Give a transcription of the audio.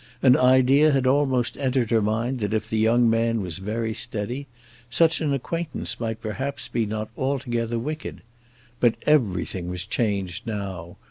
An idea had almost entered her mind that if the young man was very steady, such an acquaintance might perhaps be not altogether wicked. But everything was changed now.